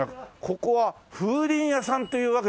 ここは風鈴屋さんっていうわけではないですよね。